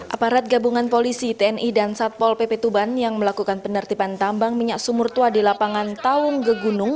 aparat gabungan polisi tni dan satpol pp tuban yang melakukan penertiban tambang minyak sumur tua di lapangan taung gegunung